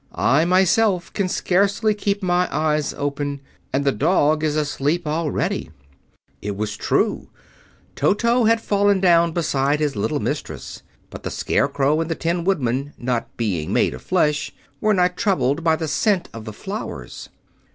I myself can scarcely keep my eyes open, and the dog is asleep already." It was true; Toto had fallen down beside his little mistress. But the Scarecrow and the Tin Woodman, not being made of flesh, were not troubled by the scent of the flowers.